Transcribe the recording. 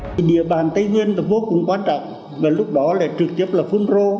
thì địa bàn tây nguyên là vô cùng quan trọng và lúc đó là trực tiếp là phun rô